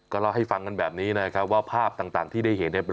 เล่าให้ฟังกันแบบนี้นะครับว่าภาพต่างที่ได้เห็นเนี่ย